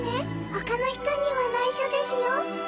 他の人には内緒ですよ。